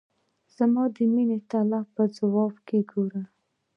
زما د میني په طلب یې ځواب ګوره !